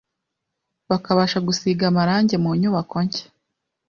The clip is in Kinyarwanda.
bakabasha gusiga amarangi mu nyubako nshya